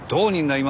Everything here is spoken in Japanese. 今。